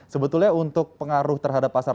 sebetulnya untuk pengaruh terhadap pasar